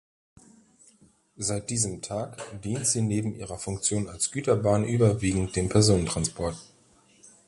Seit diesem Tag dient sie neben ihrer Funktion als Güterbahn überwiegend dem Personentransport.